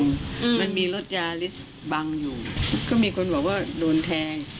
มันมีรถยาลิสต์บังอยู่ก็มีคนบอกว่าโดนแทง